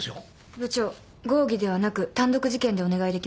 部長合議ではなく単独事件でお願いできますか。